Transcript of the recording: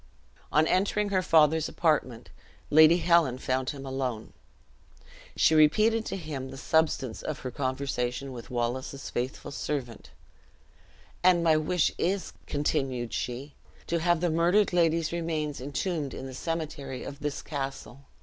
On entering her father's apartment, Lady Helen found him alone. She repeated to him the substance of her conversation with Wallace's faithful servant; "and my wish is," continued she, "to have the murdered lady's remains entombed in the cemetery of this castle."